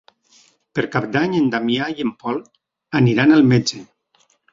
Per Cap d'Any en Damià i en Pol aniran al metge.